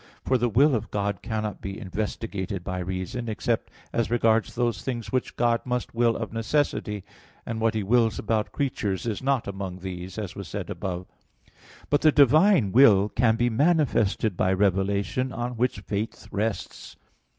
For the will of God cannot be investigated by reason, except as regards those things which God must will of necessity; and what He wills about creatures is not among these, as was said above (Q. 19, A. 3). But the divine will can be manifested by revelation, on which faith rests.